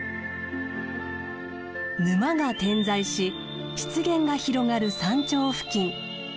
沼が点在し湿原が広がる山頂付近。